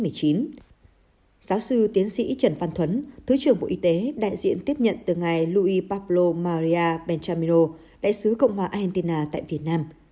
giáo sư tiến sĩ trần văn thuấn thứ trưởng bộ y tế đại diện tiếp nhận từ ngày loui paplo maria benchaminro đại sứ cộng hòa argentina tại việt nam